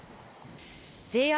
ＪＲ